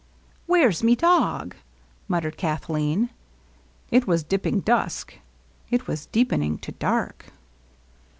"Where's me dog?" muttered Kathleen. It was dipping dusk ; it was deepening to dark.